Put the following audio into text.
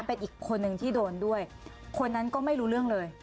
เป็นอีกคนนึงที่โดนด้วยคนนั้นก็ไม่รู้เรื่องเลย